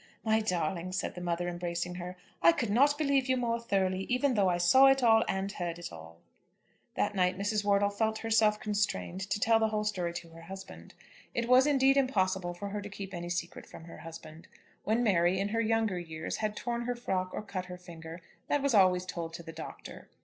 "My darling," said the mother, embracing her, "I could not believe you more thoroughly even though I saw it all, and heard it all." That night Mrs. Wortle felt herself constrained to tell the whole story to her husband. It was indeed impossible for her to keep any secret from her husband. When Mary, in her younger years, had torn her frock or cut her finger, that was always told to the Doctor.